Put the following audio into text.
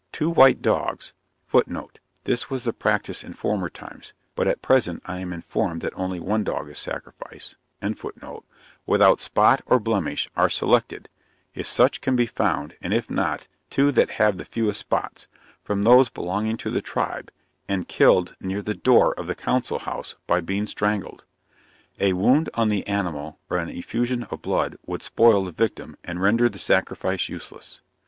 Two white dogs, [Footnote: This was the practice in former times; but at present I am informed that only one dog is sacrificed.] without spot or blemish, are selected (if such can be found, and if not, two that have the fewest spots) from those belonging to the tribe, and killed near the door of the council house, by being strangled. A wound on the animal or an effusion of blood, would spoil the victim, and render the sacrifice useless.